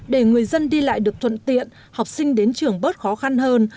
để người dân đi lại được thuận tiện học sinh đến trường bớt khó khăn hơn